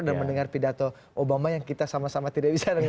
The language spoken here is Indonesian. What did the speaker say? dan mendengar pidato obama yang kita sama sama tidak bisa dengar